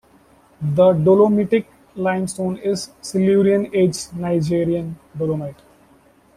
The dolomitic limestone is Silurian aged Niagaran Dolomite.